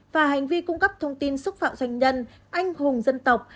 và hành vi cung cấp thông tin xúc phạm doanh nhân anh hùng dân tộc